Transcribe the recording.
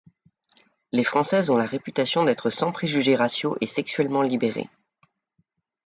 Les Françaises ont la réputation d’être sans préjugés raciaux et sexuellement libérées.